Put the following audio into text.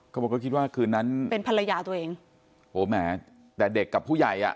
เขาบอกเขาคิดว่าคืนนั้นเป็นภรรยาตัวเองโหแหมแต่เด็กกับผู้ใหญ่อ่ะ